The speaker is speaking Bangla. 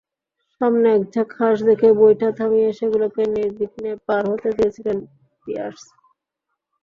সামনে একঝাঁক হাঁস দেখে বৈঠা থামিয়ে সেগুলোকে নির্বিঘ্নে পার হতে দিয়েছিলেন পিয়ার্স।